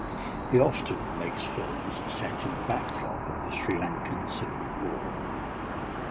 He often makes films set in the backdrop of the Sri Lankan Civil War.